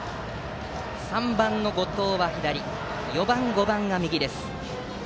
３番の後藤は左で４番、５番が右です。